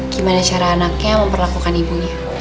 gimana cara anaknya memperlakukan ibunya